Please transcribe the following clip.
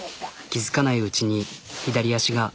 気付かないうちに左足が。